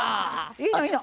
いいのいいの。